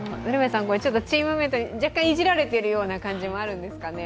チームメイトに若干いじられているような感じもあるんですかね。